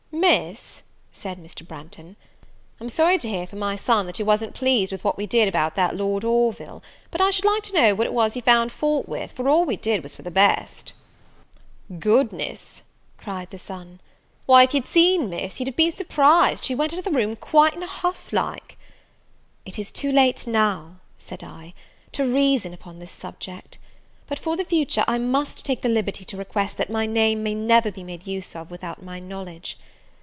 "Miss," said Mr. Branghton, "I'm sorry to hear from my son that you wasn't pleased with what we did about that Lord Orville: but I should like to know what it was you found fault with, for we did all for the best." "Goodness!" cried the son, "why, if you'd seen Miss, you'd have been surprised she went out of the room quite in a huff, like " "It is too late, now," said I, "to reason upon this subject; but, for the future, I must take the liberty to request, that my name may never be made use of without my knowledge.